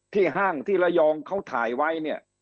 ห้างที่ระยองเขาถ่ายไว้เนี่ย